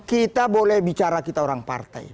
kita boleh bicara kita orang partai